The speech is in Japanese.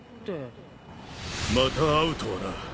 また会うとはな。